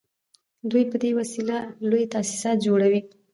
دوی په دې وسیله لوی تاسیسات جوړوي